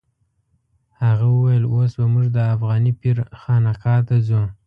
هغه وویل اوس به موږ د افغاني پیر خانقا ته ځو.